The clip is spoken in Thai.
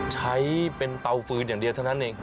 ใช้เป็นเตาฟืนอย่างเดียวเท่านั้นเอง